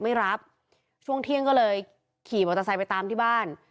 ไม่รับช่วงเที่ยงก็เลยขี่มอเตอร์ไซค์ไปตามที่บ้าน